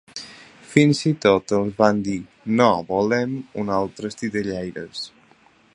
Fins i tot els van dir: “No volem uns altres titellaires”.